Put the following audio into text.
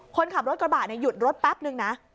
คนขับรถกระบะหยุดรถแป๊บนึงนะ